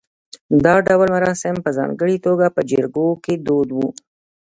دا ډول مراسم په ځانګړې توګه په جریکو کې دود و